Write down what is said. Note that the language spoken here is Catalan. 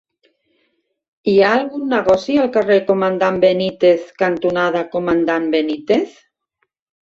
Hi ha algun negoci al carrer Comandant Benítez cantonada Comandant Benítez?